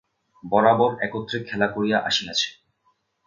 বরাবর একত্রে খেলা করিয়া আসিয়াছে।